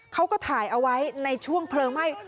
เขาก็ถ่ายเอาไว้ในช่วงเพลิงไหม้